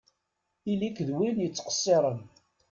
Ili-k d win yettqeṣṣiṛen!